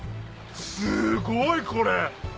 すごいこれ。